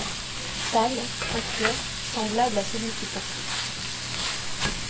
Pâle, inquiet, semblable à-celui qui poursuit